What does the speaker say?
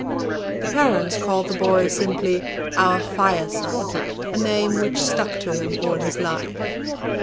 The parents called the boy simply 'Our Fire son,' a name which stuck to him all his life.